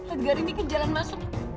segar ini ke jalan masuk